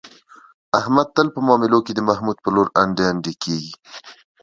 احمد تل په معاملو کې، د محمود په لور انډي انډي کېږي.